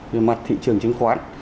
về mặt thị trường chứng khoán